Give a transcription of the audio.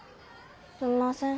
すんません。